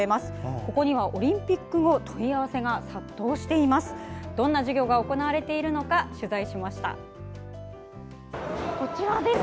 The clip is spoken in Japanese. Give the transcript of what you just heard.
ここには、オリンピック後問い合わせが殺到しています。